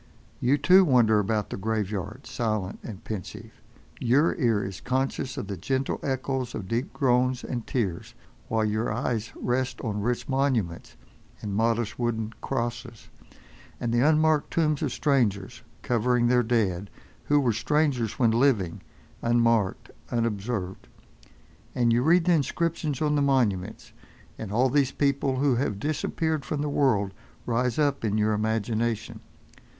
You, too, wander about the graveyard silent and pensive. Your ear is conscious of the gentle echoes of deep groans and tears, while your eyes rest on rich monuments, and modest wooden crosses; and the unmarked tombs of strangers, covering their dead, who were strangers when living, unmarked, unobserved. And you read the inscriptions on the monuments, and all these people who have disappeared from the world rise up in your imagination.